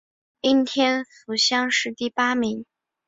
应天府乡试第八名。